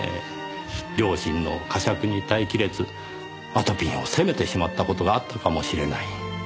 良心の呵責に耐え切れずあとぴんを責めてしまった事があったかもしれない。